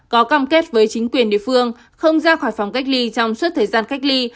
có cam kết với chính quyền địa phương không ra khỏi phòng cách ly trong suốt thời gian cách ly